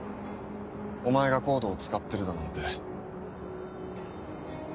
お前がＣＯＤＥを使ってるだなんて。